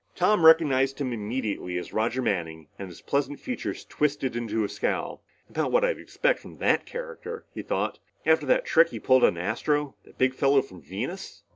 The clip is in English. Tom recognized him immediately as Roger Manning, and his pleasant features twisted into a scowl. "About what I'd expect from that character," he thought, "after the trick he pulled on Astro, that big fellow from Venus."